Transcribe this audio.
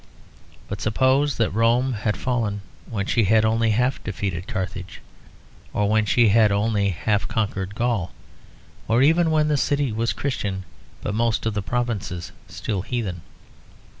But suppose that Rome had fallen when she had only half defeated Carthage, or when she had only half conquered Gaul, or even when the city was Christian but most of the provinces still heathen.